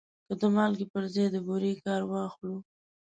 که د مالګې پر ځای له بورې کار واخلو.